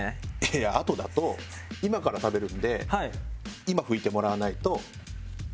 いやあとだと今から食べるんで今拭いてもらわないと食べづらいじゃん。